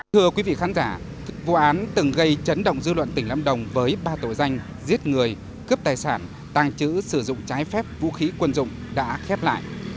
thưa quý vị khán giả vụ án từng gây chấn động dư luận tỉnh lâm đồng với ba tội danh giết người cướp tài sản tàng trữ sử dụng trái phép vũ khí quân dụng đã khép lại